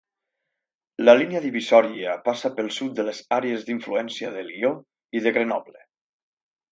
La línia divisòria passa pel sud de les àrees d'influència de Lió i de Grenoble.